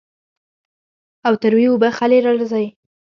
او تروې اوبۀ خلې له راځي